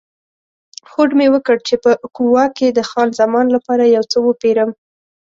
هوډ مې وکړ چې په کووا کې د خان زمان لپاره یو څه وپیرم.